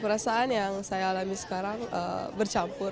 perasaan yang saya alami sekarang bercampur